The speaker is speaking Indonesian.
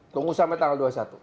tunggu sampai tanggal dua puluh satu